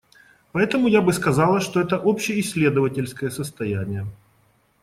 Поэтому я бы сказала, что это общеисследовательское состояние.